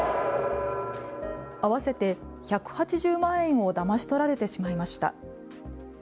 合わせて１８０万円をだまし取られてしまいました。